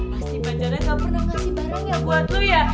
pasti banjaran gak pernah ngasih barangnya buat lo ya